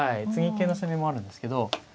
継ぎ桂の攻めもあるんですけど。